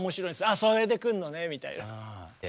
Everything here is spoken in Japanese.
あそれでくんのねみたいな。は！